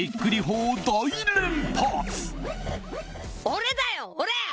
俺だよ、俺。